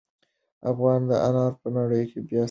افغاني انار په نړۍ کې بې ساري دي.